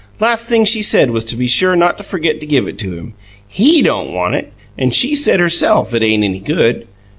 Last thing she said was to be sure not to forget to give it to him. HE don't want it; and she said, herself, it ain't any good.